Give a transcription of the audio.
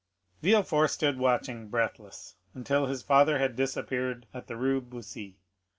Villefort stood watching, breathless, until his father had disappeared at the Rue Bussy.